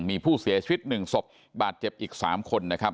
มีผู้เสียชีวิต๑ศพบาดเจ็บอีก๓คนนะครับ